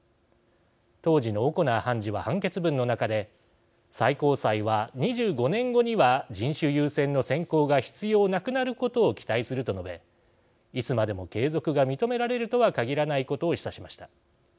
当時のオコナー判事は判決文の中で最高裁は２５年後には人種優先の選考が必要なくなることを期待すると述べいつまでも継続が認められるとは限らないことを示唆しました。